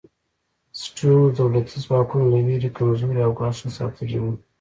سټیونز دولتي ځواکونه له وېرې کمزوري او ګوښه ساتلي وو.